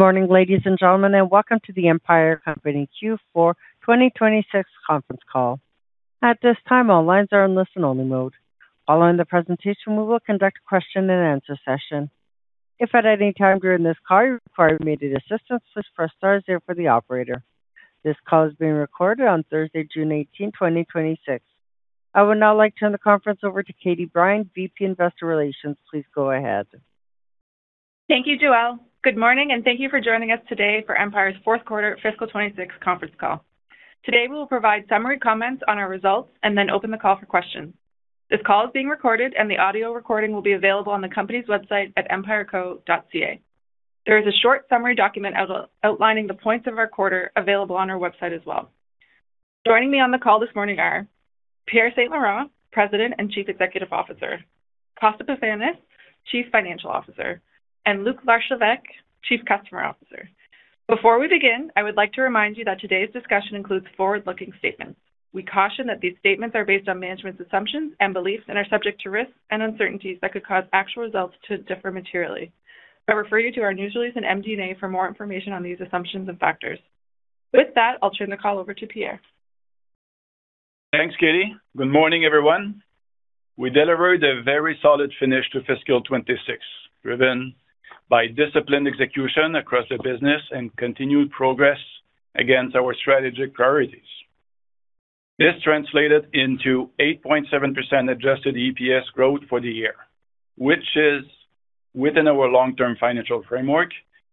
Good morning, ladies and gentlemen, and welcome to Empire Company Q4 2026 conference call. At this time, all lines are in listen-only mode. Following the presentation, we will conduct a question-and-answer session. If at any time during this call you require immediate assistance, just press star zero for the operator. This call is being recorded on Thursday, June 18, 2026. I would now like to turn the conference over to Katie Brine, VP, Investor Relations. Please go ahead. Thank you, Joelle. Good morning, and thank you for joining us today for Empire's fourth quarter fiscal 2026 conference call. Today we will provide summary comments on our results and then open the call for questions. This call is being recorded, and the audio recording will be available on the company's website at empireco.ca. There is a short summary document outlining the points of our quarter available on our website as well. Joining me on the call this morning are Pierre St-Laurent, President and Chief Executive Officer, Costa Pefanis, Chief Financial Officer, and Luc L'Archevêque, Chief Customer Officer. Before we begin, I would like to remind you that today's discussion includes forward-looking statements. We caution that these statements are based on management's assumptions and beliefs and are subject to risks and uncertainties that could cause actual results to differ materially. I refer you to our news release in MD&A for more information on these assumptions and factors. With that, I'll turn the call over to Pierre. Thanks, Katie. Good morning, everyone. We delivered a very solid finish to fiscal 2026, driven by disciplined execution across the business and continued progress against our strategic priorities. This translated into 8.7% adjusted EPS growth for the year, which is within our long-term financial framework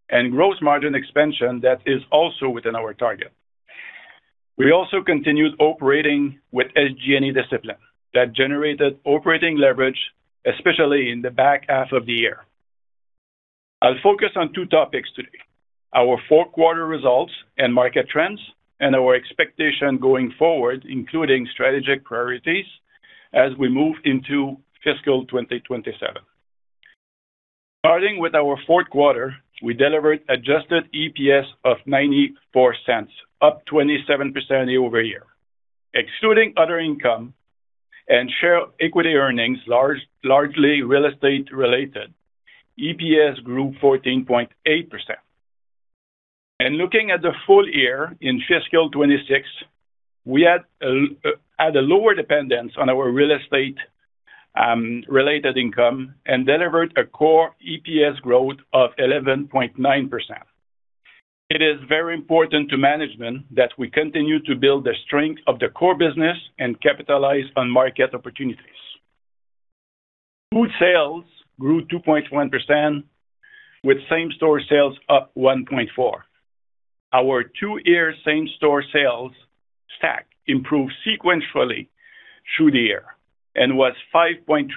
and gross margin expansion that is also within our target. We also continued operating with SG&A discipline that generated operating leverage, especially in the back half of the year. I'll focus on two topics today, our fourth quarter results and market trends, and our expectation going forward, including strategic priorities as we move into fiscal 2027. Starting with our fourth quarter, we delivered adjusted EPS of 0.94, up 27% year-over-year. Excluding other income and share equity earnings, largely real estate-related, EPS grew 14.8%. Looking at the full year in fiscal 2026, we had a lower dependence on our real estate related income and delivered a core EPS growth of 11.9%. It is very important to management that we continue to build the strength of the core business and capitalize on market opportunities. Food sales grew 2.1% with same-store sales up 1.4%. Our two-year same-store sales stack improved sequentially through the year and was 5.3%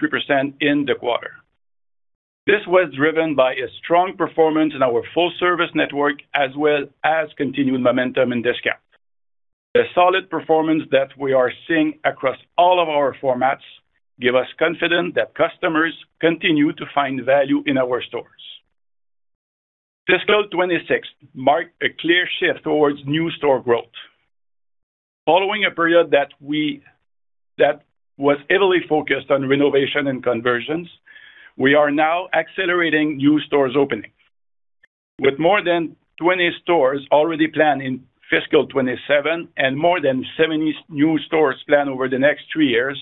in the quarter. This was driven by a strong performance in our full-service network, as well as continued momentum in discount. The solid performance that we are seeing across all of our formats give us confidence that customers continue to find value in our stores. Fiscal 2026 marked a clear shift towards new store growth. Following a period that was heavily focused on renovation and conversions, we are now accelerating new stores opening. With more than 20 stores already planned in fiscal 2027 and more than 70 new stores planned over the next three years,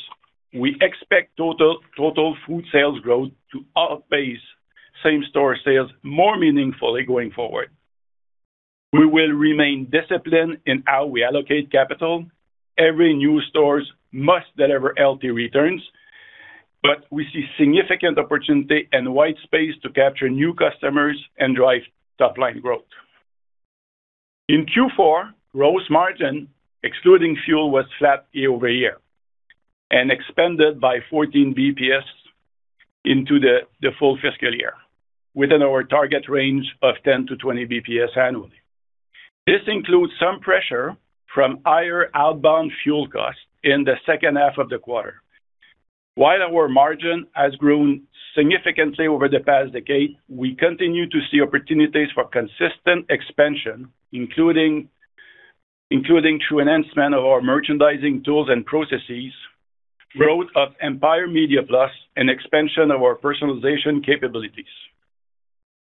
we expect total food sales growth to outpace same-store sales more meaningfully going forward. We will remain disciplined in how we allocate capital. Every new store must deliver healthy returns, but we see significant opportunity and white space to capture new customers and drive top-line growth. In Q4, gross margin, excluding fuel, was flat year-over-year and expanded by 14 basis points into the full fiscal year within our target range of 10 to 20 basis points annually. This includes some pressure from higher outbound fuel costs in the second half of the quarter. While our margin has grown significantly over the past decade, we continue to see opportunities for consistent expansion, including through enhancement of our merchandising tools and processes, growth of Empire Media+, and expansion of our personalization capabilities.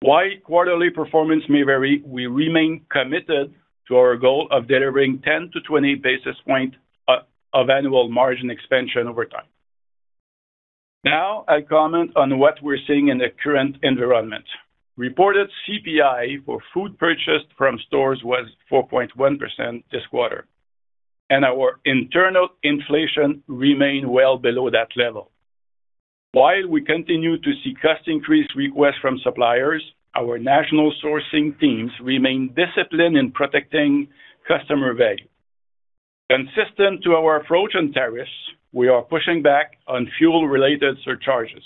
While quarterly performance may vary, we remain committed to our goal of delivering 10 to 20 basis points of annual margin expansion over time. Now, I comment on what we're seeing in the current environment. Reported CPI for food purchased from stores was 4.1% this quarter, and our internal inflation remained well below that level. While we continue to see cost increase requests from suppliers, our national sourcing teams remain disciplined in protecting customer value. Consistent to our approach on tariffs, we are pushing back on fuel-related surcharges.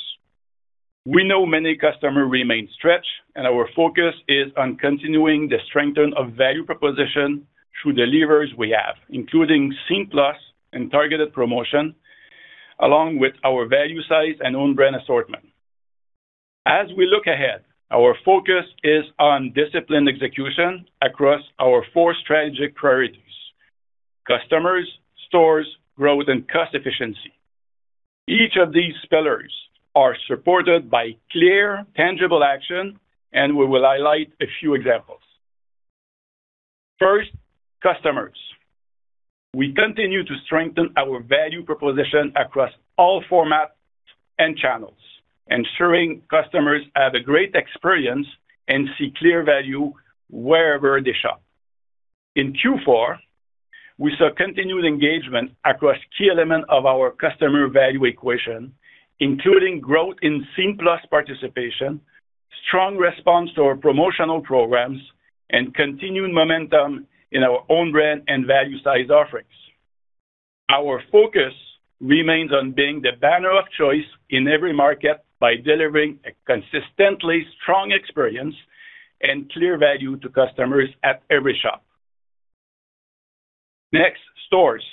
We know many customers remain stretched, our focus is on continuing the strengthening of value proposition through the levers we have, including Scene+ and targeted promotion, along with our value size and own brand assortment. As we look ahead, our focus is on disciplined execution across our four strategic priorities Customers, stores, growth, and cost efficiency. Each of these pillars are supported by clear, tangible action, and we will highlight a few examples. First, customers. We continue to strengthen our value proposition across all formats and channels, ensuring customers have a great experience and see clear value wherever they shop. In Q4, we saw continued engagement across key elements of our customer value equation, including growth in Scene+ participation, strong response to our promotional programs, and continued momentum in our own brand and value size offerings. Our focus remains on being the banner of choice in every market by delivering a consistently strong experience and clear value to customers at every shop. Next, stores.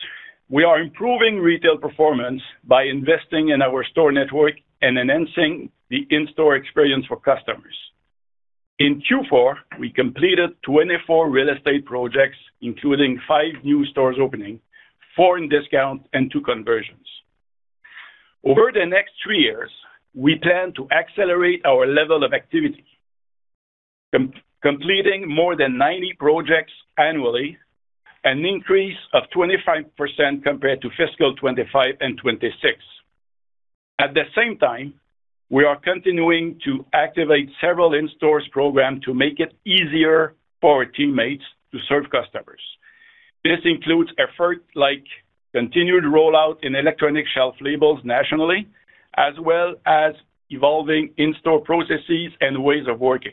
We are improving retail performance by investing in our store network and enhancing the in-store experience for customers. In Q4, we completed 24 real estate projects, including five new stores opening, four in discount, and two conversions. Over the next three years, we plan to accelerate our level of activity, completing more than 90 projects annually, an increase of 25% compared to fiscal 2025 and 2026. At the same time, we are continuing to activate several in-store programs to make it easier for our teammates to serve customers. This includes efforts like continued rollout in electronic shelf labels nationally, as well as evolving in-store processes and ways of working.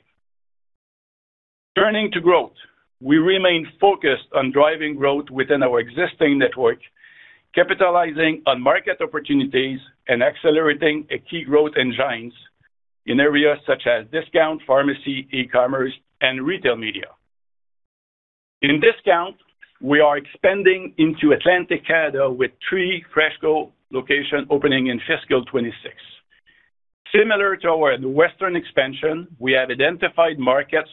Turning to growth, we remain focused on driving growth within our existing network, capitalizing on market opportunities and accelerating key growth engines in areas such as discount, pharmacy, e-commerce, and retail media. In discount, we are expanding into Atlantic Canada with three FreshCo locations opening in fiscal 2026. Similar to our western expansion, we have identified markets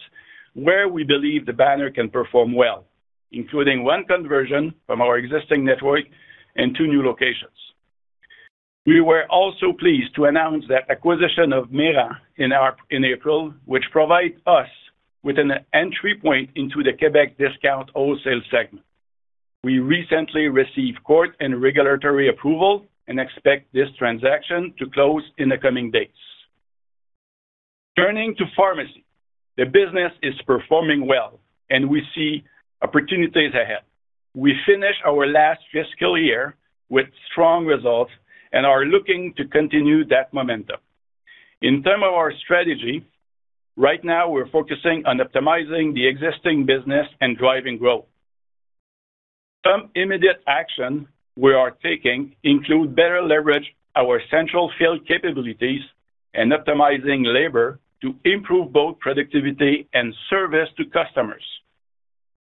where we believe the banner can perform well, including one conversion from our existing network and two new locations. We were also pleased to announce the acquisition of Mayrand in April, which provides us with an entry point into the Québec discount wholesale segment. We recently received court and regulatory approval and expect this transaction to close in the coming days. Turning to pharmacy, the business is performing well and we see opportunities ahead. We finished our last fiscal year with strong results and are looking to continue that momentum. In terms of our strategy, right now we're focusing on optimizing the existing business and driving growth. Some immediate actions we are taking include better leverage our central field capabilities and optimizing labor to improve both productivity and service to customers.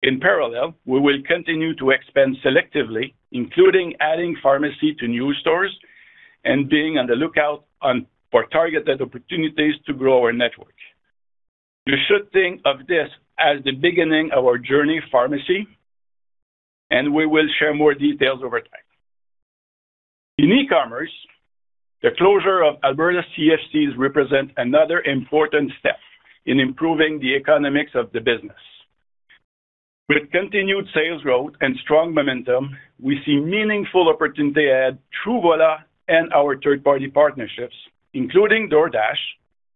In parallel, we will continue to expand selectively, including adding pharmacy to new stores and being on the lookout for targeted opportunities to grow our network. You should think of this as the beginning of our journey in pharmacy, and we will share more details over time. In e-commerce, the closure of Alberta CFCs represent another important step in improving the economics of the business. With continued sales growth and strong momentum, we see meaningful opportunity ahead through Voilà and our third-party partnerships, including DoorDash,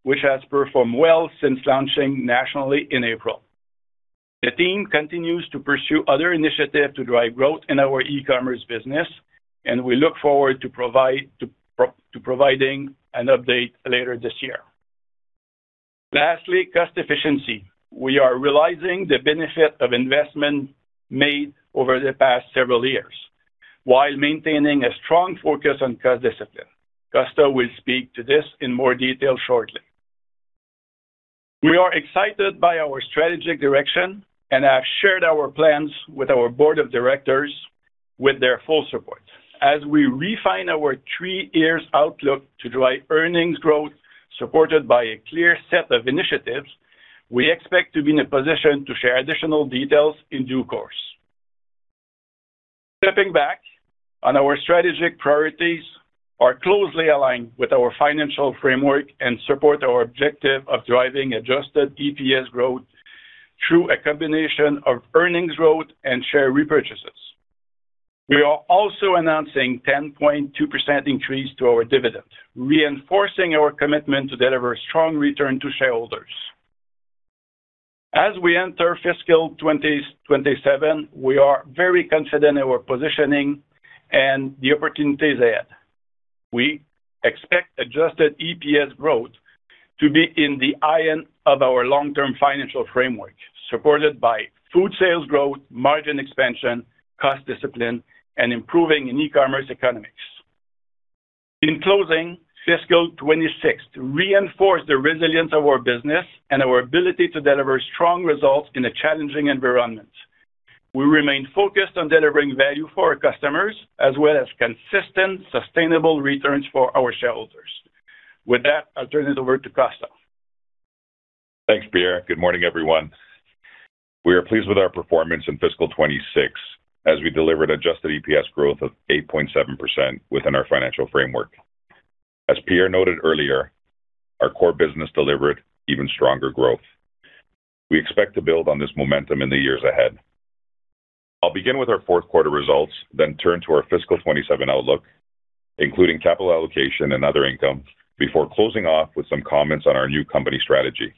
which has performed well since launching nationally in April. The team continues to pursue other initiatives to drive growth in our e-commerce business, and we look forward to providing an update later this year. Lastly, cost efficiency. We are realizing the benefit of investment made over the past several years while maintaining a strong focus on cost discipline. Costa will speak to this in more detail shortly. We are excited by our strategic direction and have shared our plans with our board of directors with their full support. As we refine our three-year outlook to drive earnings growth supported by a clear set of initiatives, we expect to be in a position to share additional details in due course. Stepping back on our strategic priorities are closely aligned with our financial framework and support our objective of driving adjusted EPS growth through a combination of earnings growth and share repurchases. We are also announcing a 10.2% increase to our dividend, reinforcing our commitment to deliver strong return to shareholders. As we enter fiscal 2027, we are very confident in our positioning and the opportunities ahead. We expect adjusted EPS growth to be in the high end of our long-term financial framework, supported by food sales growth, margin expansion, cost discipline, and improving e-commerce economics. In closing, fiscal 2026 reinforced the resilience of our business and our ability to deliver strong results in a challenging environment. We remain focused on delivering value for our customers, as well as consistent, sustainable returns for our shareholders. With that, I'll turn it over to Costa. Thanks, Pierre. Good morning, everyone. We are pleased with our performance in fiscal 2026 as we delivered adjusted EPS growth of 8.7% within our financial framework. As Pierre noted earlier, our core business delivered even stronger growth. We expect to build on this momentum in the years ahead. I'll begin with our fourth quarter results, then turn to our fiscal 2027 outlook, including capital allocation and other income, before closing off with some comments on our new company strategy.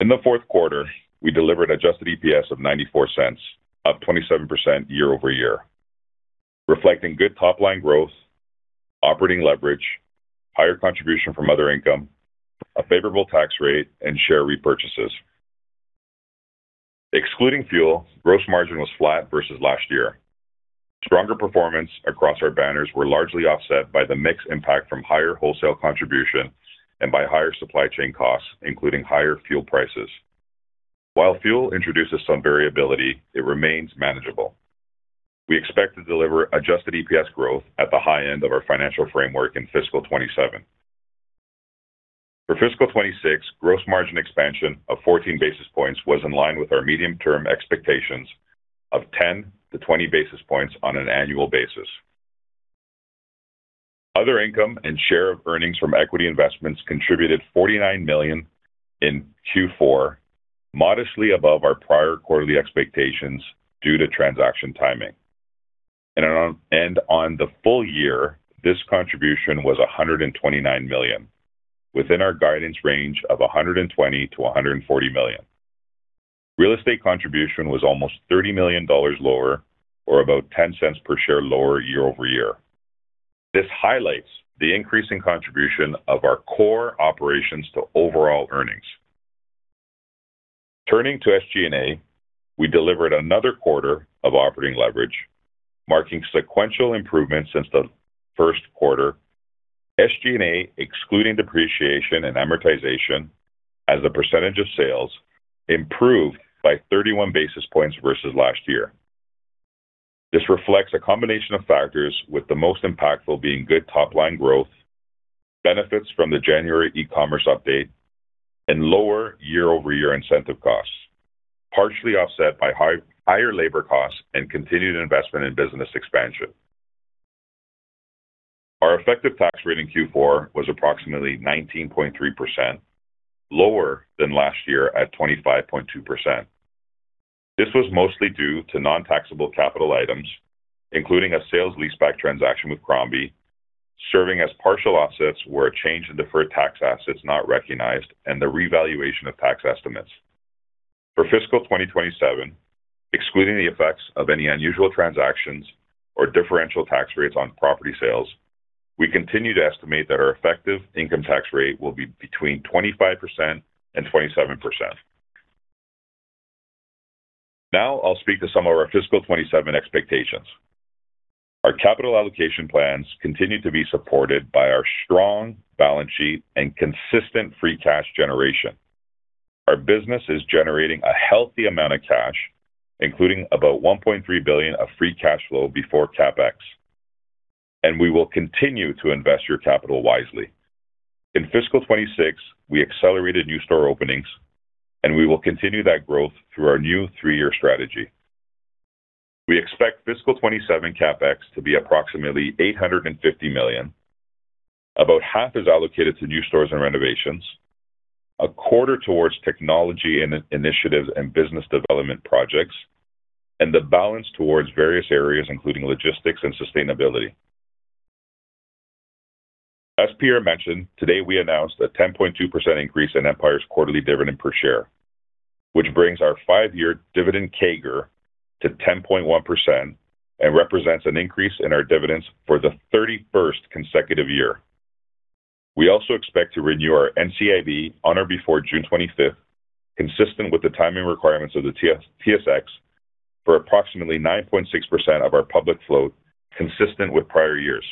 In the fourth quarter, we delivered adjusted EPS of 0.94, up 27% year-over-year, reflecting good top-line growth, operating leverage, higher contribution from other income, a favorable tax rate, and share repurchases. Excluding fuel, gross margin was flat versus last year. Stronger performance across our banners were largely offset by the mix impact from higher wholesale contribution and by higher supply chain costs, including higher fuel prices. While fuel introduces some variability, it remains manageable. We expect to deliver adjusted EPS growth at the high end of our financial framework in fiscal 2027. For fiscal 2026, gross margin expansion of 14 basis points was in line with our medium-term expectations of 10 to 20 basis points on an annual basis. Other income and share of earnings from equity investments contributed 49 million in Q4, modestly above our prior quarterly expectations due to transaction timing. On the full year, this contribution was 129 million, within our guidance range of 120 million-140 million. Real estate contribution was almost 30 million dollars lower, or about 0.10 per share lower year-over-year. This highlights the increasing contribution of our core operations to overall earnings. Turning to SG&A, we delivered another quarter of operating leverage, marking sequential improvements since the first quarter. SG&A, excluding depreciation and amortization, as a percentage of sales, improved by 31 basis points versus last year. This reflects a combination of factors with the most impactful being good top-line growth, benefits from the January e-commerce update, and lower year-over-year incentive costs, partially offset by higher labor costs and continued investment in business expansion. Our effective tax rate in Q4 was approximately 19.3%, lower than last year at 25.2%. This was mostly due to non-taxable capital items, including a sales leaseback transaction with Crombie, serving as partial offsets where a change in deferred tax assets not recognized and the revaluation of tax estimates. For fiscal 2027, excluding the effects of any unusual transactions or differential tax rates on property sales, we continue to estimate that our effective income tax rate will be between 25%-27%. Now I'll speak to some of our fiscal 2027 expectations. Our capital allocation plans continue to be supported by our strong balance sheet and consistent free cash generation. Our business is generating a healthy amount of cash, including about 1.3 billion of free cash flow before CapEx, and we will continue to invest your capital wisely. In fiscal 2026, we accelerated new store openings. We will continue that growth through our new three-year strategy. We expect fiscal 2027 CapEx to be approximately 850 million, about half is allocated to new stores and renovations, a quarter towards technology initiatives and business development projects. The balance towards various areas including logistics and sustainability. As Pierre mentioned, today we announced a 10.2% increase in Empire's quarterly dividend per share, which brings our five-year dividend CAGR to 10.1% and represents an increase in our dividends for the 31st consecutive year. We also expect to renew our NCIB on or before June 25th, consistent with the timing requirements of the TSX, for approximately 9.6% of our public float, consistent with prior years.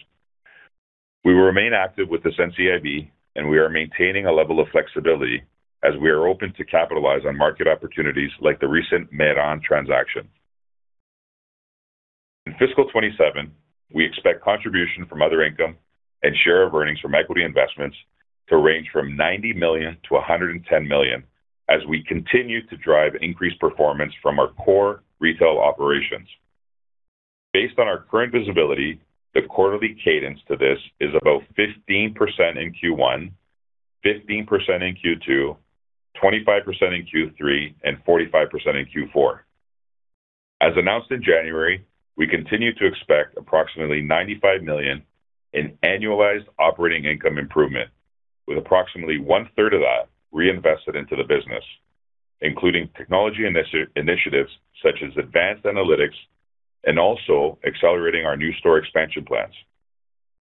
We will remain active with this NCIB. We are maintaining a level of flexibility as we are open to capitalize on market opportunities like the recent Mayrand transaction. In fiscal 2027, we expect contribution from other income and share of earnings from equity investments to range from 90 million-110 million as we continue to drive increased performance from our core retail operations. Based on our current visibility, the quarterly cadence to this is about 15% in Q1, 15% in Q2, 25% in Q3, and 45% in Q4. As announced in January, we continue to expect approximately 95 million in annualized operating income improvement with approximately one-third of that reinvested into the business, including technology initiatives such as advanced analytics, accelerating our new store expansion plans.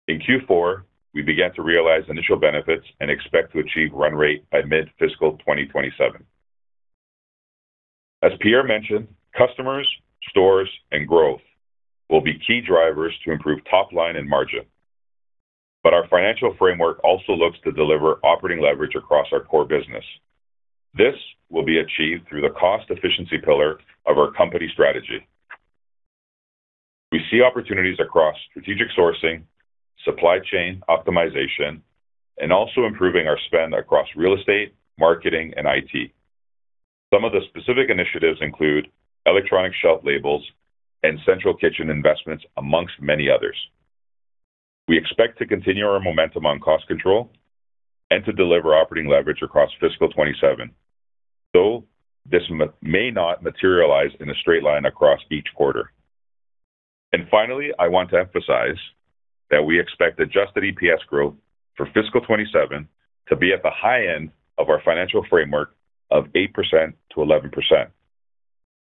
In Q4, we began to realize initial benefits and expect to achieve run rate by mid-fiscal 2027. As Pierre mentioned, customers, stores, and growth will be key drivers to improve top line and margin. Our financial framework also looks to deliver operating leverage across our core business. This will be achieved through the cost efficiency pillar of our company strategy. We see opportunities across strategic sourcing, supply chain optimization, improving our spend across real estate, marketing, and IT. Some of the specific initiatives include electronic shelf labels and central kitchen investments, amongst many others. We expect to continue our momentum on cost control and to deliver operating leverage across fiscal 2027, though this may not materialize in a straight line across each quarter. Finally, I want to emphasize that we expect adjusted EPS growth for fiscal 2027 to be at the high end of our financial framework of 8%-11%.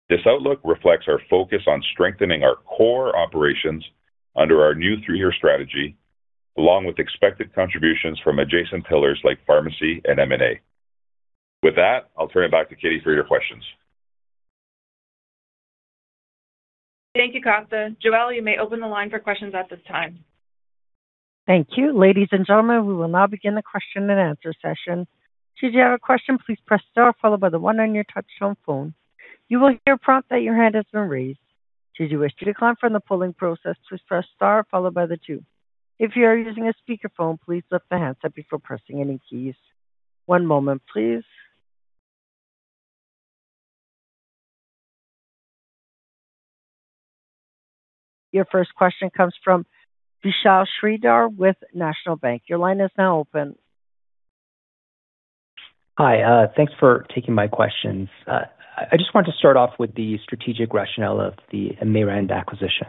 This outlook reflects our focus on strengthening our core operations under our new three-year strategy, along with expected contributions from adjacent pillars like pharmacy and M&A. With that, I'll turn it back to Katie for your questions. Thank you, Costa. Joelle, you may open the line for questions at this time. Thank you. Ladies and gentlemen, we will now begin the question and answer session. Should you have a question, please press star followed by the one on your touch-tone phone. You will hear a prompt that your hand has been raised. Should you wish to decline from the polling process, please press star followed by the two. If you are using a speakerphone, please lift the handset before pressing any keys. One moment please. Your first question comes from Vishal Shreedhar with National Bank. Your line is now open. Hi. Thanks for taking my questions. I just wanted to start off with the strategic rationale of the Mayrand acquisition.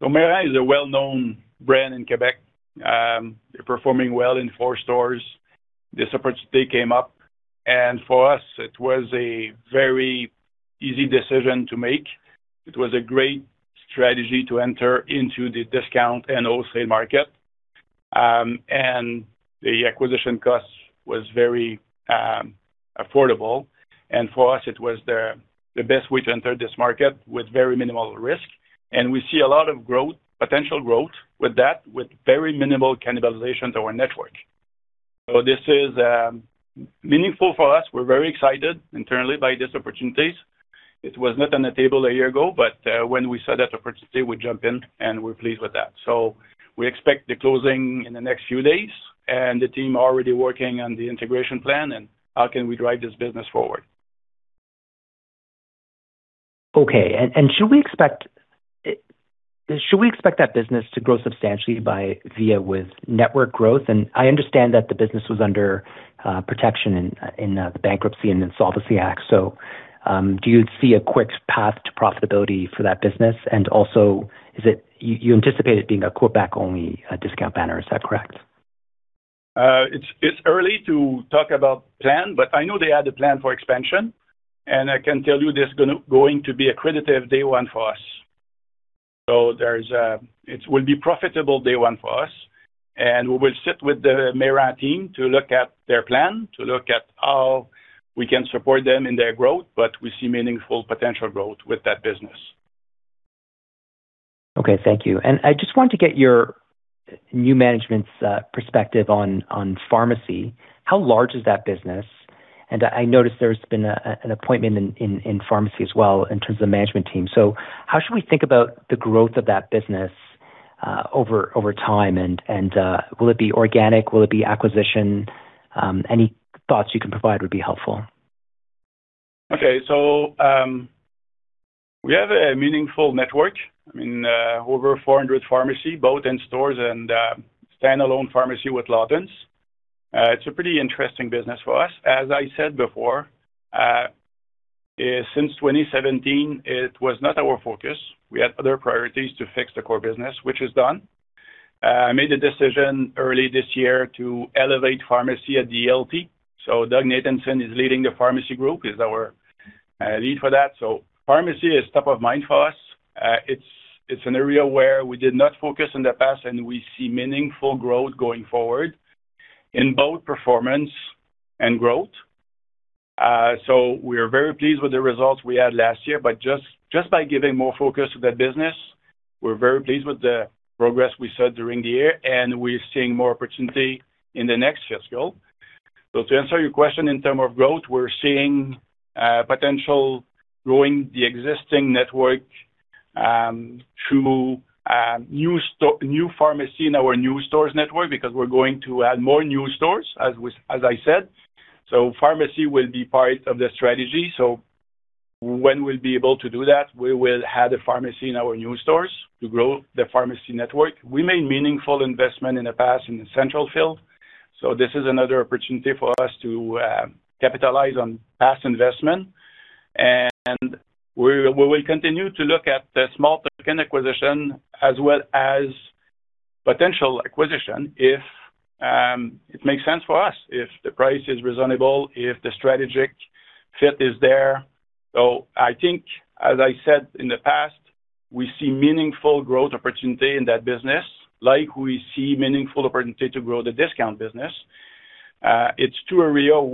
Mayrand is a well-known brand in Québec. They're performing well in four stores. This opportunity came up, and for us, it was a very easy decision to make. It was a great strategy to enter into the discount and wholesale market, and the acquisition cost was very affordable. For us, it was the best way to enter this market with very minimal risk. We see a lot of potential growth with that, with very minimal cannibalization to our network. This is meaningful for us. We're very excited internally by these opportunities. It was not on the table a year ago, but when we saw that opportunity, we jumped in, and we're pleased with that. We expect the closing in the next few days, and the team are already working on the integration plan and how can we drive this business forward. Okay. Should we expect that business to grow substantially via network growth? I understand that the business was under protection in the Bankruptcy and Insolvency Act, do you see a quick path to profitability for that business? Also, you anticipate it being a Québec-only discount banner, is that correct? It's early to talk about plan, I know they had a plan for expansion, I can tell you this is going to be accretive day one for us. It will be profitable day one for us, we will sit with the Mayrand team to look at their plan, to look at how we can support them in their growth, we see meaningful potential growth with that business. Okay, thank you. I just want to get your new management's perspective on pharmacy. How large is that business? I noticed there's been an appointment in pharmacy as well in terms of the management team. How should we think about the growth of that business over time, and will it be organic? Will it be acquisition? Any thoughts you can provide would be helpful. Okay. We have a meaningful network. I mean, over 400 pharmacies, both in stores and standalone pharmacy with Lawtons. It's a pretty interesting business for us. As I said before, since 2017, it was not our focus. We had other priorities to fix the core business, which is done. I made a decision early this year to elevate pharmacy at the ELT. Doug Nathanson is leading the pharmacy group. He's our lead for that. Pharmacy is top of mind for us. It's an area where we did not focus in the past, we see meaningful growth going forward in both performance and growth. We are very pleased with the results we had last year, just by giving more focus to that business, we're very pleased with the progress we saw during the year, we're seeing more opportunity in the next fiscal. To answer your question, in term of growth, we're seeing potential growing the existing network through new pharmacy in our new stores network, because we're going to add more new stores, as I said. Pharmacy will be part of the strategy. When we'll be able to do that, we will add a pharmacy in our new stores to grow the pharmacy network. We made meaningful investment in the past in the central fill. This is another opportunity for us to capitalize on past investment. We will continue to look at the small token acquisition as well as potential acquisition if it makes sense for us, if the price is reasonable, if the strategic fit is there. I think, as I said in the past, we see meaningful growth opportunity in that business, like we see meaningful opportunity to grow the discount business. It's to a real.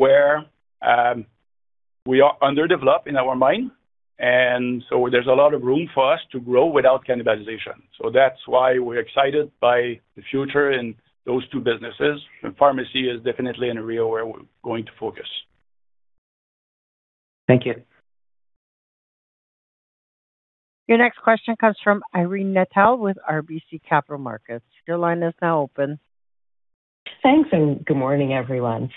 We are underdeveloped in our mind, there's a lot of room for us to grow without cannibalization. That's why we're excited by the future in those two businesses. Pharmacy is definitely an area where we're going to focus. Thank you. Your next question comes from Irene Nattel with RBC Capital Markets. Your line is now open. Thanks. Good morning, everyone.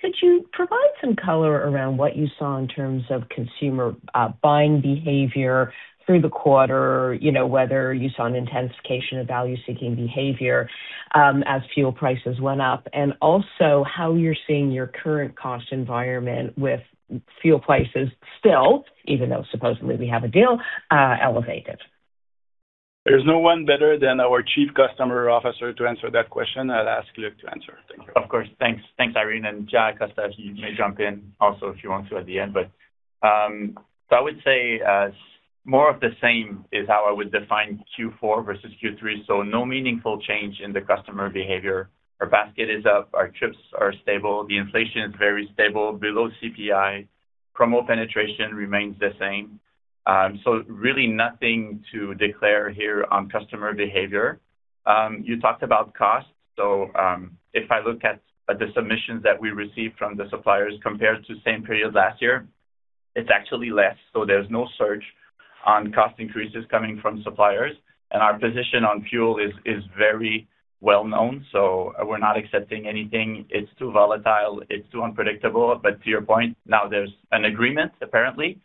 Could you provide some color around what you saw in terms of consumer buying behavior through the quarter, whether you saw an intensification of value-seeking behavior as fuel prices went up? Also how you're seeing your current cost environment with fuel prices still, even though supposedly we have a deal, elevated. There's no one better than our Chief Customer Officer to answer that question. I'd ask Luc to answer. Thank you. Of course. Thanks, Irene. Jacques, you may jump in also if you want to at the end. I would say more of the same is how I would define Q4 versus Q3, no meaningful change in the customer behavior. Our basket is up, our trips are stable, the inflation is very stable, below CPI. Promo penetration remains the same. Really nothing to declare here on customer behavior. You talked about cost. If I look at the submissions that we received from the suppliers compared to same period last year, it's actually less, there's no surge on cost increases coming from suppliers. Our position on fuel is very well-known, so we're not accepting anything. It's too volatile. It's too unpredictable. To your point, now there's an agreement, apparently,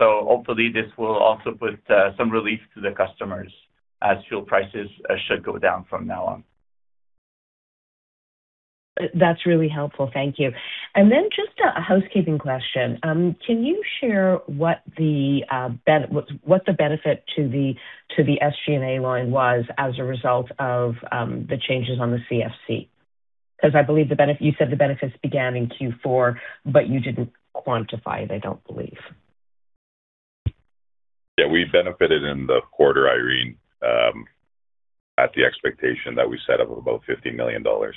hopefully this will also put some relief to the customers as fuel prices should go down from now on. That's really helpful. Thank you. Just a housekeeping question. Can you share what the benefit to the SG&A line was as a result of the changes on the CFC? I believe you said the benefits began in Q4, but you didn't quantify, I don't believe. Yeah, we benefited in the quarter, Irene, at the expectation that we set up of about 50 million dollars.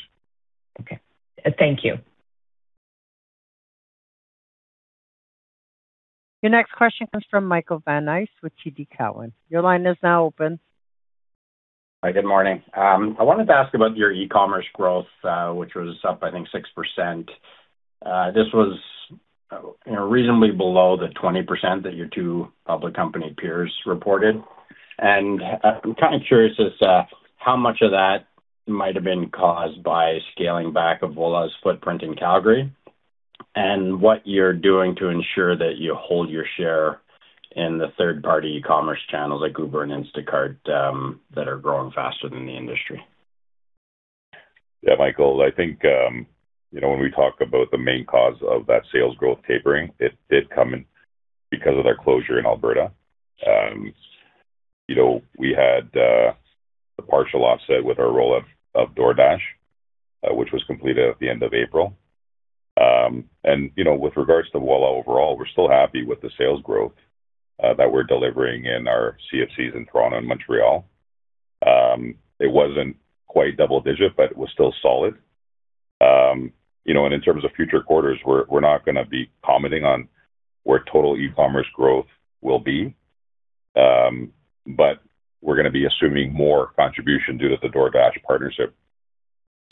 Okay. Thank you. Your next question comes from Michael Van Aelst with TD Cowen. Your line is now open. Hi, good morning. I wanted to ask about your e-commerce growth, which was up, I think, 6%. This was reasonably below the 20% that your two public company peers reported. I'm kind of curious as to how much of that might have been caused by scaling back of Voilà's footprint in Calgary, and what you're doing to ensure that you hold your share in the third-party e-commerce channels like Uber and Instacart, that are growing faster than the industry. Yeah, Michael, I think when we talk about the main cause of that sales growth tapering, it did come because of their closure in Alberta. We had the partial offset with our roll out of DoorDash, which was completed at the end of April. With regards to Voilà overall, we're still happy with the sales growth that we're delivering in our CFCs in Toronto and Montreal. It wasn't quite double digit, but it was still solid. In terms of future quarters, we're not going to be commenting on where total e-commerce growth will be. We're going to be assuming more contribution due to the DoorDash partnership.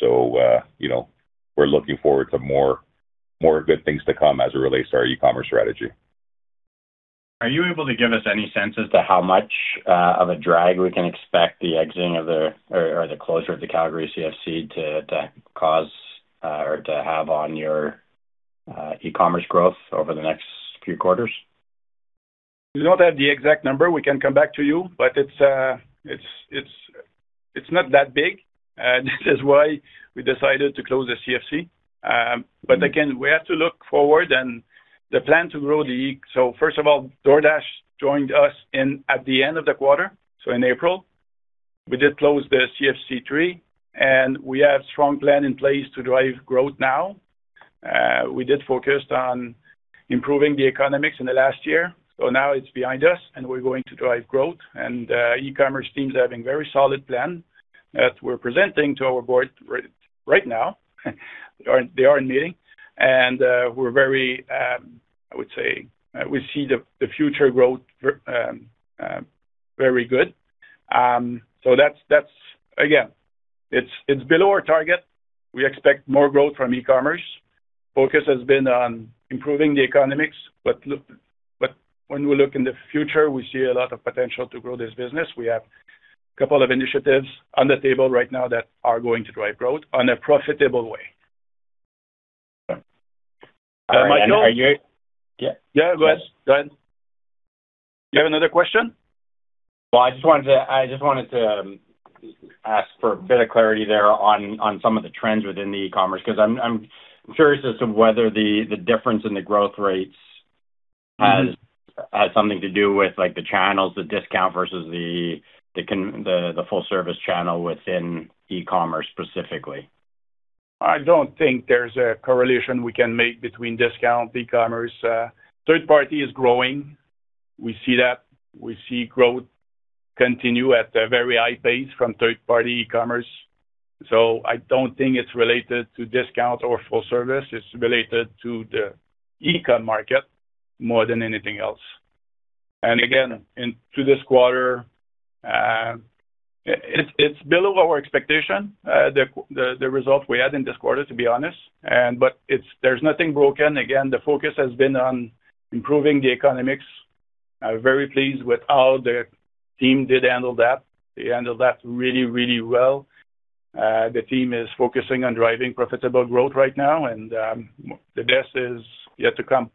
We're looking forward to more good things to come as it relates to our e-commerce strategy. Are you able to give us any sense as to how much of a drag we can expect the exiting of the, or the closure of the Calgary CFC to cause, or to have on your e-commerce growth over the next few quarters? We don't have the exact number. We can come back to you. It's not that big. This is why we decided to close the CFC. Again, we have to look forward. First of all, DoorDash joined us at the end of the quarter, so in April. We did close the CFC3, and we have strong plans in place to drive growth now. We did focus on improving the economics in the last year. Now it's behind us, and we're going to drive growth, and e-commerce teams are having very solid plans that we're presenting to our board right now. They are in a meeting, and we're very, I would say, we see the future growth very good. That's, again, it's below our target. We expect more growth from e-commerce. Focus has been on improving the economics. When we look in the future, we see a lot of potential to grow this business. We have couple of initiatives on the table right now that are going to drive growth on a profitable way. Michael- Are you? Yeah, go ahead. You have another question? I just wanted to ask for a bit of clarity there on some of the trends within the e-commerce, because I'm curious as to whether the difference in the growth rates has something to do with the channels, the discount versus the full service channel within e-commerce specifically. I don't think there's a correlation we can make between discount, e-commerce. Third party is growing. We see that. We see growth continue at a very high pace from third-party e-commerce. I don't think it's related to discount or full service. It's related to the e-com market more than anything else. Again, to this quarter, it's below our expectation, the result we had in this quarter, to be honest, but there's nothing broken. Again, the focus has been on improving the economics. I'm very pleased with how the team did handle that. They handled that really, really well. The team is focusing on driving profitable growth right now, and the best is yet to come.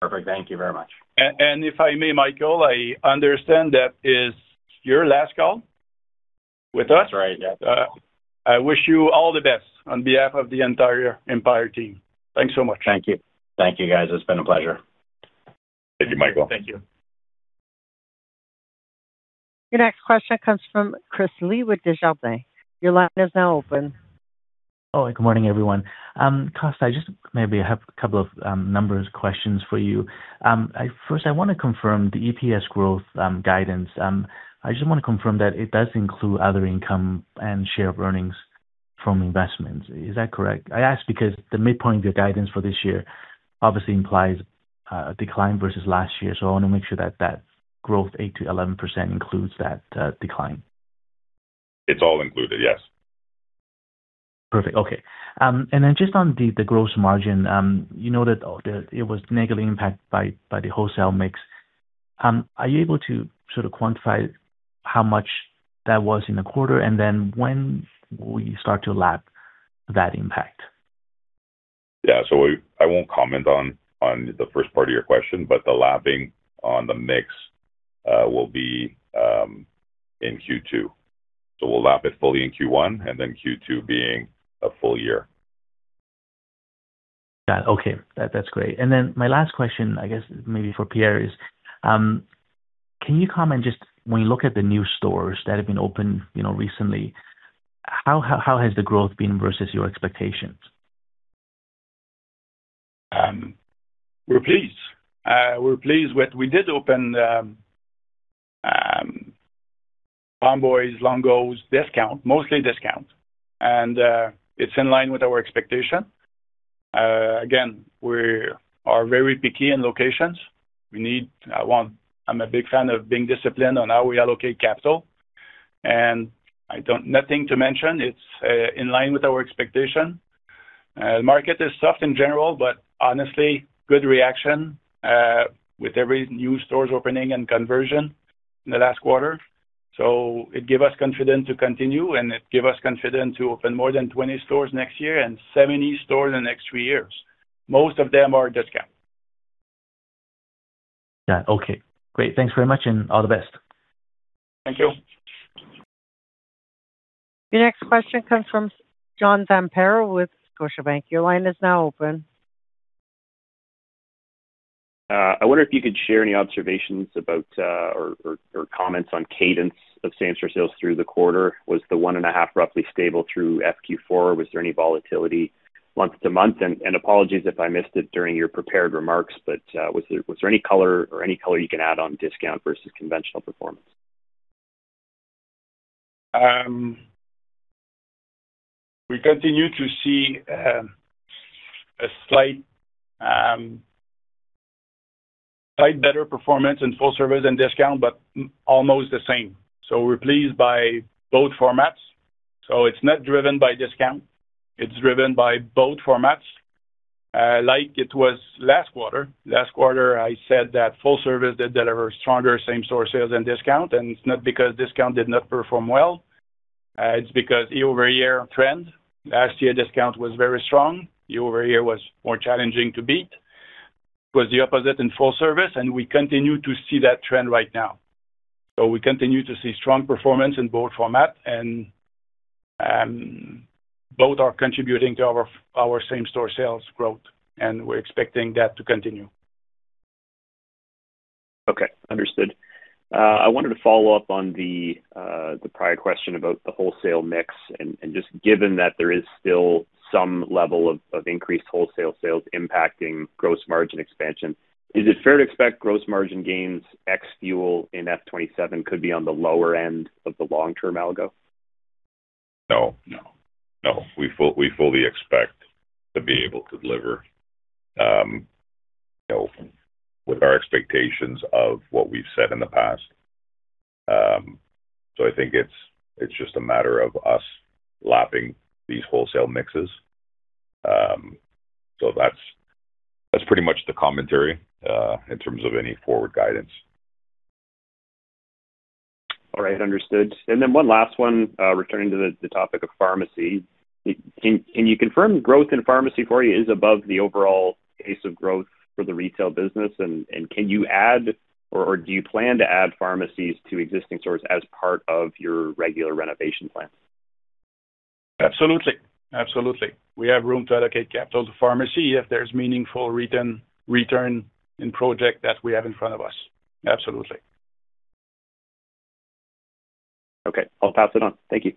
Perfect. Thank you very much. If I may, Michael, I understand that is your last call with us. That's right, yeah. I wish you all the best on behalf of the entire Empire team. Thanks so much. Thank you. Thank you guys. It's been a pleasure. Thank you, Michael. Thank you. Your next question comes from Chris Li with Desjardins. Your line is now open. Oh, good morning, everyone. Costa, I just maybe have a couple of numbers questions for you. First, I want to confirm the EPS growth guidance. I just want to confirm that it does include other income and share of earnings from investments. Is that correct? I ask because the midpoint of your guidance for this year obviously implies a decline versus last year. I want to make sure that that growth, 8%-11%, includes that decline. It's all included, yes. Perfect. Okay. Then just on the gross margin, you know that it was negatively impacted by the wholesale mix. Are you able to sort of quantify how much that was in the quarter, and then when will you start to lap that impact? Yeah. I won't comment on the first part of your question. The lapping on the mix will be in Q2. We'll lap it fully in Q1, then Q2 being a full year. Got it. Okay. That's great. My last question, I guess maybe for Pierre is, can you comment just when you look at the new stores that have been opened recently, how has the growth been versus your expectations? We're pleased. We did open the Farm Boy, Longo's, discount, mostly discount. It's in line with our expectation. Again, we are very picky in locations. I'm a big fan of being disciplined on how we allocate capital. Nothing to mention. It's in line with our expectation. The market is soft in general, honestly, good reaction with every new stores opening and conversion in the last quarter. It give us confidence to continue. It give us confidence to open more than 20 stores next year and 70 stores in the next three years. Most of them are discount. Yeah, okay. Great. Thanks very much. All the best. Thank you. Your next question comes from John Zamparo with Scotiabank. Your line is now open. I wonder if you could share any observations about or comments on cadence of same store sales through the quarter. Was the one and a half roughly stable through FQ4? Was there any volatility month to month? Apologies if I missed it during your prepared remarks, but was there any color you can add on discount versus conventional performance? We continue to see a slight better performance in full service than discount, but almost the same. We're pleased by both formats. It's not driven by discount. It's driven by both formats. Like it was last quarter. Last quarter, I said that full service did deliver stronger same store sales than discount, and it's not because discount did not perform well. It's because year-over-year trend. Last year, discount was very strong. Year-over-year was more challenging to beat. It was the opposite in full service, and we continue to see that trend right now. We continue to see strong performance in both format, and both are contributing to our same store sales growth, and we're expecting that to continue. Okay. Understood. I wanted to follow up on the prior question about the wholesale mix, just given that there is still some level of increased wholesale sales impacting gross margin expansion, is it fair to expect gross margin gains ex fuel in FY 2027 could be on the lower end of the long-term algo? No. We fully expect to be able to deliver with our expectations of what we've said in the past. I think it's just a matter of us lapping these wholesale mixes. That's pretty much the commentary, in terms of any forward guidance. All right. Understood. Then one last one, returning to the topic of pharmacy. Can you confirm growth in pharmacy for you is above the overall pace of growth for the retail business, and can you add or do you plan to add pharmacies to existing stores as part of your regular renovation plan? Absolutely. We have room to allocate capital to pharmacy if there's meaningful return in project that we have in front of us. Absolutely. Okay. I'll pass it on. Thank you.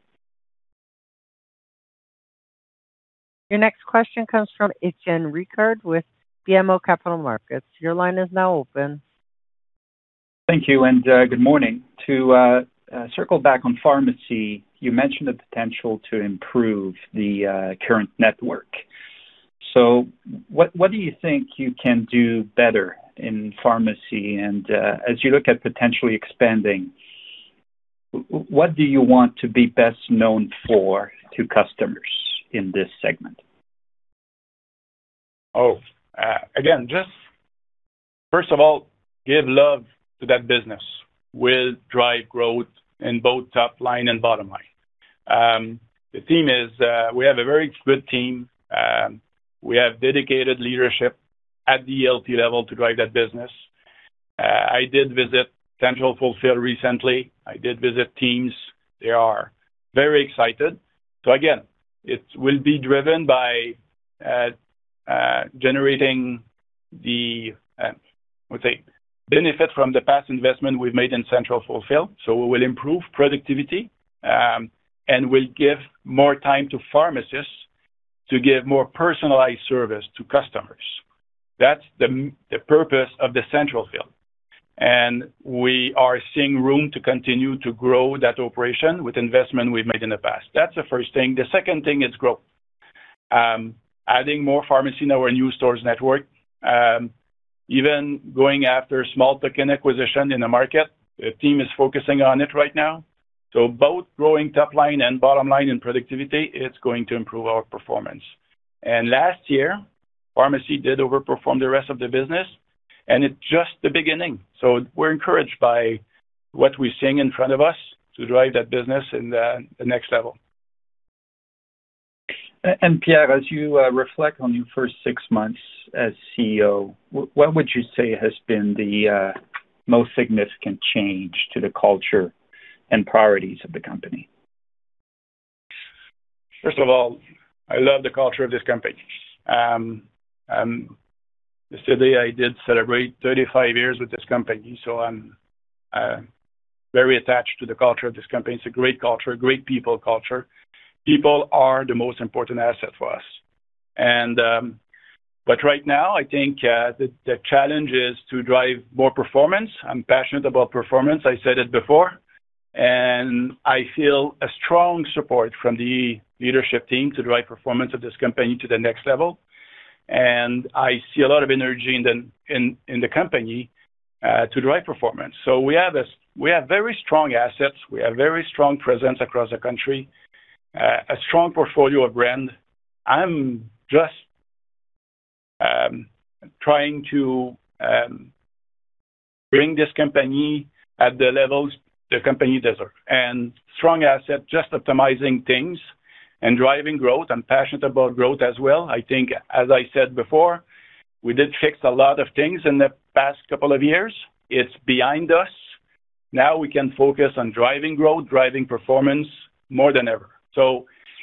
Your next question comes from [Étienne] Ricard with BMO Capital Markets. Your line is now open. Thank you and good morning. To circle back on pharmacy, you mentioned the potential to improve the current network. What do you think you can do better in pharmacy? As you look at potentially expanding, what do you want to be best known for to customers in this segment? Again, just first of all, give love to that business will drive growth in both top line and bottom line. We have a very good team. We have dedicated leadership at the ELT level to drive that business. I did visit Central Fill recently. I did visit teams. They are very excited. Again, it will be driven by generating the, let's say, benefit from the past investment we've made in Central Fill. We will improve productivity, and will give more time to pharmacists to give more personalized service to customers. That's the purpose of the Central Fill. We are seeing room to continue to grow that operation with investment we've made in the past. That's the first thing. The second thing is growth. Adding more pharmacy in our new stores network, even going after small tech and acquisition in the market, the team is focusing on it right now. Both growing top line and bottom line in productivity, it's going to improve our performance. Last year, pharmacy did overperform the rest of the business, and it's just the beginning. We're encouraged by what we're seeing in front of us to drive that business in the next level. Pierre, as you reflect on your first six months as CEO, what would you say has been the most significant change to the culture and priorities of the company? First of all, I love the culture of this company. Yesterday, I did celebrate 35 years with this company, I'm very attached to the culture of this company. It's a great culture, great people culture. People are the most important asset for us. Right now, I think the challenge is to drive more performance. I'm passionate about performance, I said it before. I feel a strong support from the leadership team to drive performance of this company to the next level. I see a lot of energy in the company to drive performance. We have very strong assets. We have very strong presence across the country, a strong portfolio of brand. I'm just trying to bring this company at the levels the company deserves. Strong asset, just optimizing things and driving growth. I'm passionate about growth as well. I think, as I said before, we did fix a lot of things in the past couple of years. It's behind us. Now we can focus on driving growth, driving performance more than ever.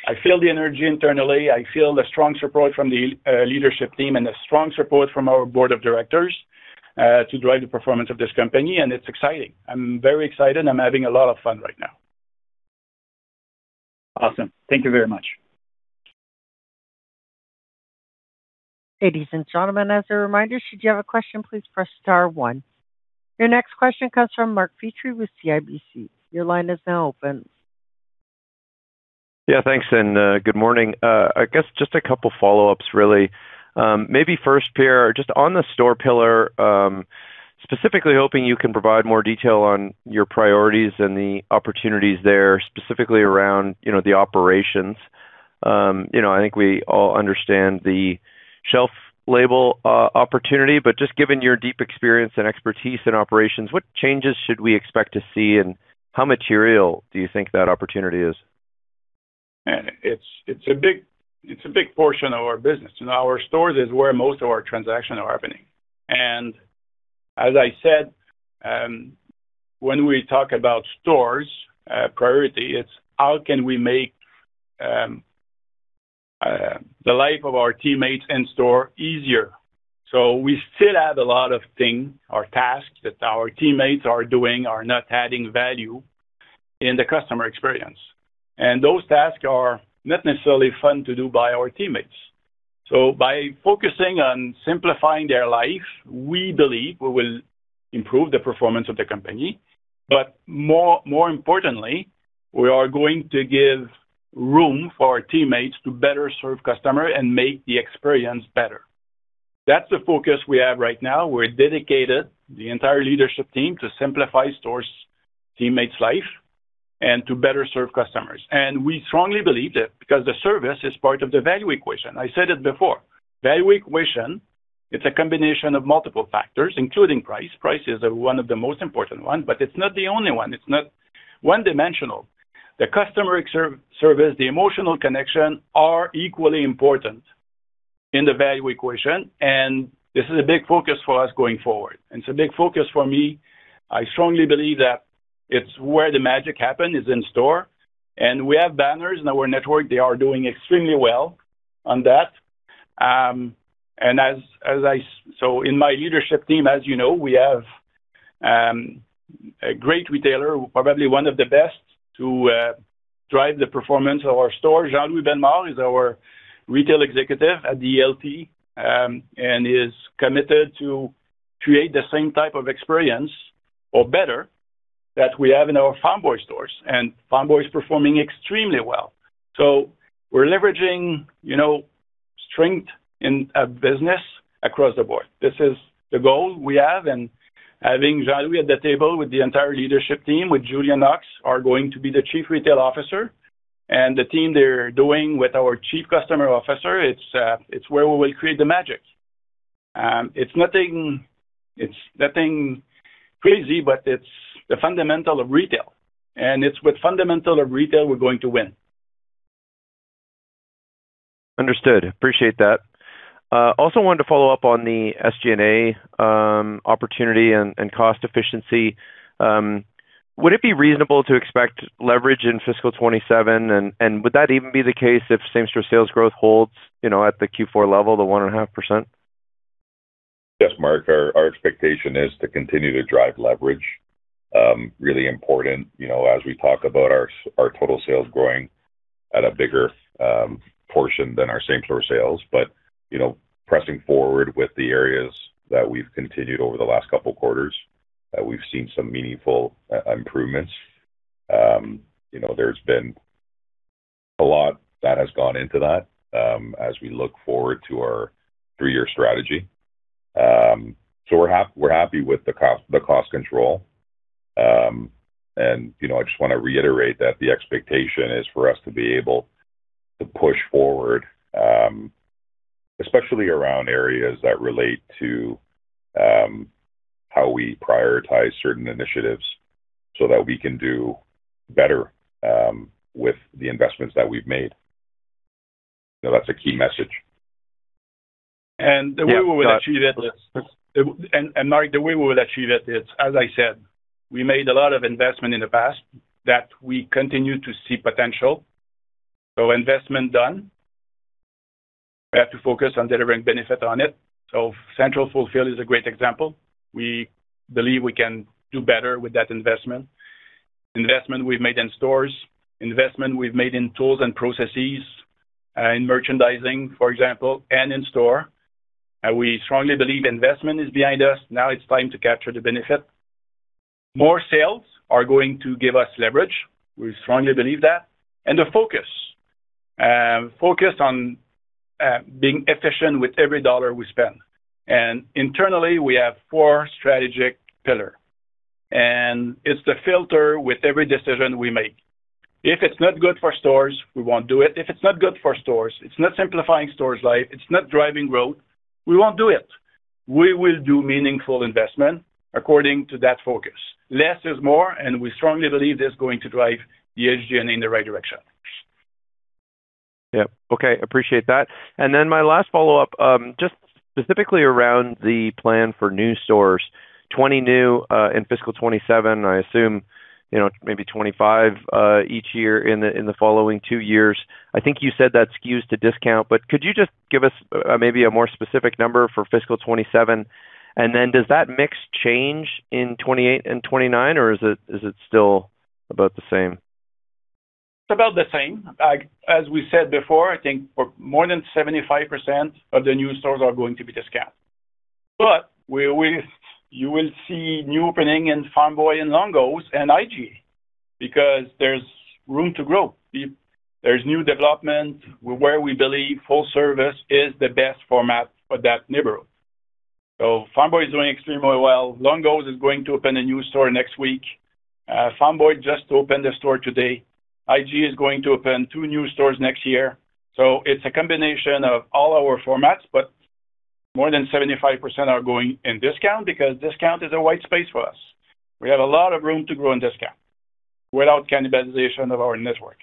I feel the energy internally. I feel the strong support from the leadership team and the strong support from our Board of Directors to drive the performance of this company, it's exciting. I'm very excited, I'm having a lot of fun right now. Awesome. Thank you very much. Ladies and gentlemen, as a reminder, should you have a question, please press star one. Your next question comes from Mark Petrie with CIBC. Your line is now open. Thanks, and good morning. I guess just a couple of follow-ups, really. Maybe first, Pierre, just on the store pillar, specifically hoping you can provide more detail on your priorities and the opportunities there, specifically around the operations. I think we all understand the shelf label opportunity, but just given your deep experience and expertise in operations, what changes should we expect to see, and how material do you think that opportunity is? It's a big portion of our business. In our stores is where most of our transactions are happening. As I said, when we talk about stores priority, it's how can we make the life of our teammates in store easier. We still have a lot of things or tasks that our teammates are doing are not adding value in the customer experience. Those tasks are not necessarily fun to do by our teammates. By focusing on simplifying their life, we believe we will improve the performance of the company. More importantly, we are going to give room for our teammates to better serve customer and make the experience better. That's the focus we have right now. We're dedicated, the entire leadership team, to simplify stores' teammates life and to better serve customers. We strongly believe that because the service is part of the value equation. I said it before. Value equation. It's a combination of multiple factors, including price. Price is one of the most important one, but it's not the only one. It's not one-dimensional. The customer service, the emotional connection are equally important in the value equation. This is a big focus for us going forward, and it's a big focus for me. I strongly believe that it's where the magic happens is in store. We have banners in our network. They are doing extremely well on that. In my leadership team, as you know, we have a great retailer, probably one of the best, to drive the performance of our store. Jean-Louis Bellemare is our retail executive at the ELT and is committed to create the same type of experience, or better, that we have in our Farm Boy stores. Farm Boy is performing extremely well. We're leveraging strength in a business across the board. This is the goal we have, and having Jean-Louis at the table with the entire leadership team, with Julia Knox, are going to be the Chief Retail Officer, and the team they're doing with our Chief Customer Officer, it's where we will create the magic. It's nothing crazy, but it's the fundamental of retail. It's with fundamental of retail we're going to win. Understood. Appreciate that. Also wanted to follow up on the SG&A opportunity and cost efficiency. Would it be reasonable to expect leverage in fiscal 2027, and would that even be the case if same-store sales growth holds at the Q4 level, the 1.5%? Yes, Mark, our expectation is to continue to drive leverage. Really important. As we talk about our total sales growing at a bigger portion than our same-store sales. Pressing forward with the areas that we've continued over the last couple quarters, we've seen some meaningful improvements. There's been a lot that has gone into that as we look forward to our three-year strategy. We're happy with the cost control. I just want to reiterate that the expectation is for us to be able to push forward, especially around areas that relate to how we prioritize certain initiatives so that we can do better with the investments that we've made. That's a key message. The way we will achieve it, Mark, the way we will achieve it is, as I said, we made a lot of investment in the past that we continue to see potential. Investment done. We have to focus on delivering benefit on it. Central fulfill is a great example. We believe we can do better with that investment. Investment we've made in stores, investment we've made in tools and processes, in merchandising, for example, and in store. We strongly believe investment is behind us. Now it's time to capture the benefit. More sales are going to give us leverage. We strongly believe that. The focus. Focus on being efficient with every dollar we spend. Internally, we have four strategic pillar, and it's the filter with every decision we make. If it's not good for stores, we won't do it. If it's not good for stores, it's not simplifying stores life, it's not driving growth, we won't do it. We will do meaningful investment according to that focus. Less is more, we strongly believe that's going to drive the SG&A in the right direction. Yeah. Okay. Appreciate that. My last follow-up, just specifically around the plan for new stores. 20 new in fiscal 2027, I assume maybe 25 each year in the following two years. I think you said that skews to discount, could you just give us maybe a more specific number for fiscal 2027? Does that mix change in 2028 and 2029, or is it still about the same? It's about the same. As we said before, I think more than 75% of the new stores are going to be discount. You will see new opening in Farm Boy and Longo's and IGA, because there's room to grow. There's new development where we believe full service is the best format for that neighborhood. Farm Boy is doing extremely well. Longo's is going to open a new store next week. Farm Boy just opened a store today. IGA is going to open two new stores next year. It's a combination of all our formats, more than 75% are going in discount because discount is a white space for us. We have a lot of room to grow in discount without cannibalization of our network.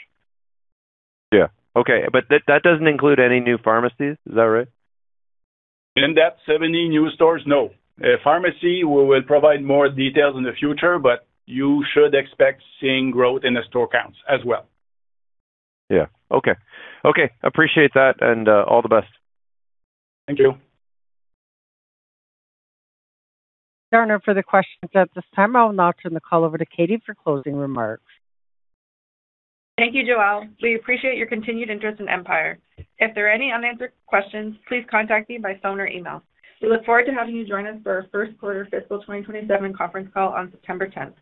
Yeah. Okay. That doesn't include any new pharmacies? Is that right? In that 70 new stores, no. Pharmacy, we will provide more details in the future, but you should expect seeing growth in the store counts as well. Yeah. Okay. Okay, appreciate that, and all the best. Thank you. No further questions at this time. I'll now turn the call over to Katie for closing remarks. Thank you, Joelle. We appreciate your continued interest in Empire. If there are any unanswered questions, please contact me by phone or email. We look forward to having you join us for our first quarter fiscal 2027 conference call on September 10th.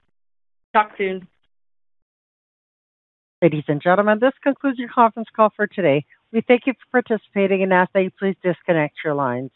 Talk soon. Ladies and gentlemen, this concludes your conference call for today. We thank you for participating and ask that you please disconnect your lines.